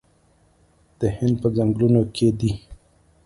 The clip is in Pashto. د هند په ځنګلونو کې دي